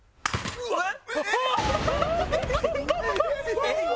うわっ！